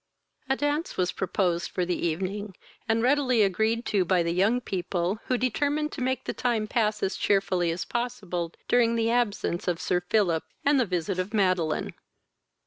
A dance was proposed for the evening, and readily agreed to by the young people, who determined to make the time pass as cheerfully as possible during the absence of Sir Philip and the visit of Madeline.